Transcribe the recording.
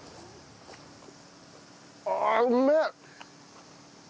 あうめえ！